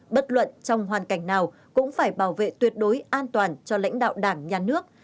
bất luận trong hoàn cảnh nào cũng phải bảo vệ tuyệt đối an toàn cho lãnh đạo đảng nhà nước